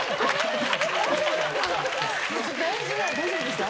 大丈夫ですか？